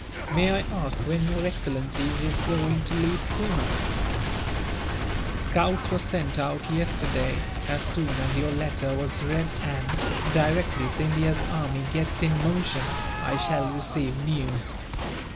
"May I ask when your excellency is going to leave Poona?" "Scouts were sent out yesterday, as soon as your letter was read and, directly Scindia's army gets in motion, I shall receive news.